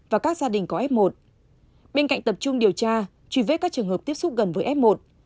và các gia đình có f một bên cạnh tập trung điều tra truy vết các trường hợp tiếp xúc gần với f một